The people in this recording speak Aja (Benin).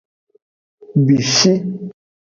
Bishi.